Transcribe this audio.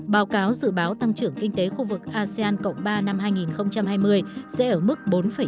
báo cáo dự báo tăng trưởng kinh tế khu vực asean cộng ba năm hai nghìn hai mươi sẽ ở mức bốn năm